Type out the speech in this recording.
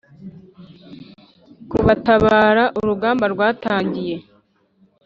kubatabara Urugamba rwatangiye